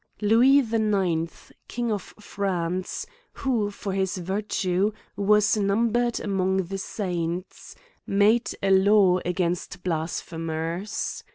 LOUIS the 9th. king of France, who, for his virtue, was numbered among the saints, made a law against blasphemers.